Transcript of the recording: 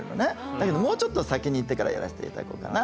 だけどもうちょっと先にいってからやらせていただこうかな。